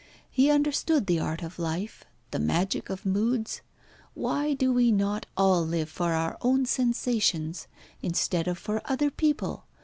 He understood the art of life, the magic of moods. Why do we not all live for our own sensations, instead of for other people?